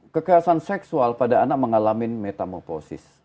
kekerasan seksual pada anak mengalami metamoposis